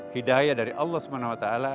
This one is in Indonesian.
hidayah dari allah swt